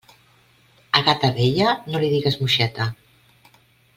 A gata vella, no li digues moixeta.